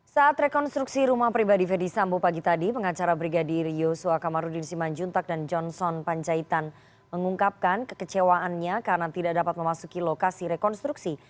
saat rekonstruksi rumah pribadi ferdisambo pagi tadi pengacara brigadir yosua kamarudin simanjuntak dan johnson panjaitan mengungkapkan kekecewaannya karena tidak dapat memasuki lokasi rekonstruksi